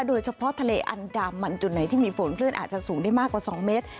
โดยเฉพาะทะเลอันดามันจุดไหนที่มีฝนคลื่นอาจจะสูงได้มากกว่า๒เมตร